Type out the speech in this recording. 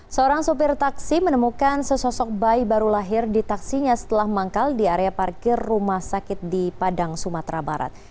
seorang sopir taksi menemukan sesosok bayi baru lahir di taksinya setelah manggal di area parkir rumah sakit di padang sumatera barat